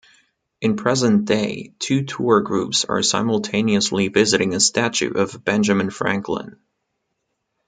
In present day, two tour groups are simultaneously visiting a statue of Benjamin Franklin.